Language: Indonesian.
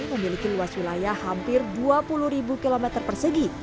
memiliki luas wilayah hampir dua puluh km persegi